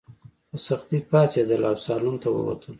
په سختۍ پاڅېدله او سالون ته ووتله.